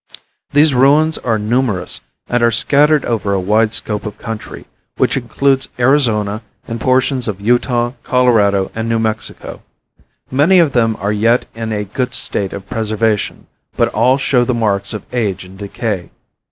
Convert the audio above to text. These ruins are numerous and are scattered over a wide scope of country, which includes Arizona and portions of Utah, Colorado and New Mexico. Many of them are yet in a good state of preservation, but all show the marks of age and decay.